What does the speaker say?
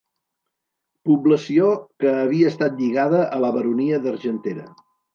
Població que havia estat lligada a la baronia d'Argentera.